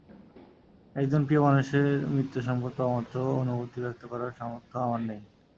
একজন প্রিয় মানুষের মৃত্যু সংবাদ পাওয়ামাত্র অনুভূতি ব্যক্ত করার সামর্থ্য আমার নেই।